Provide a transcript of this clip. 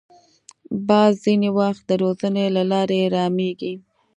باز ځینې وخت د روزنې له لارې رامېږي